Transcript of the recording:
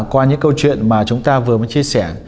qua những câu chuyện mà chúng ta vừa mới chia sẻ